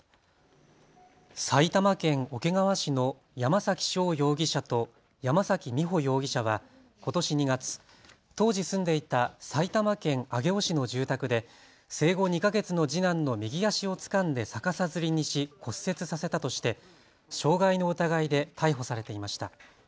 埼玉県桶川市の山崎翔容疑者と山崎美穂容疑者はことし２月、当時住んでいた埼玉県上尾市の住宅で生後２か月の次男の右足をつかんで逆さづりにし骨折させたとして傷害の疑いで逮捕されていました。